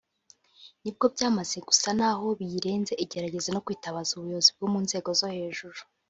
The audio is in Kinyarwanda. nibwo byamaze gusa naho biyirenze igerageza no kwitabaza ubuyobozi bwo mu nzego zo hejuru